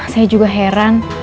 saya juga heran